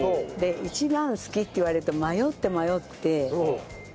一番好きって言われて迷って迷って。